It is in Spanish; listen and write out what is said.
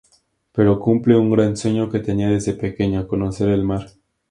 Pero cumple un gran sueño que tenía desde pequeño: conocer el mar.